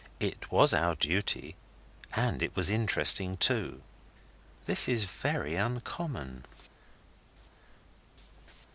It was our duty and it was interesting too. This is very uncommon.